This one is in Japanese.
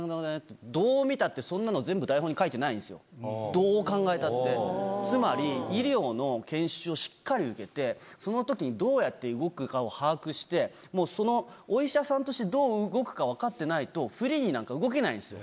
どう見たってそんなの。どう考えたってつまり医療の研修をしっかり受けてそのときにどうやって動くかを把握してもうそのお医者さんとしてどう動くか分かってないとフリーになんか動けないんですよ。